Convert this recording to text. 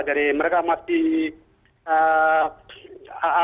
jadi mereka masih